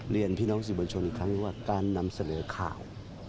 เรียนพี่น้องสื่อบัญชนอีกครั้งว่าการนำเสนอข่าว